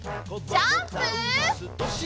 ジャンプ！